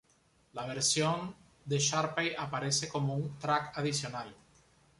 La versión de Sharpay aparece como un track adicional.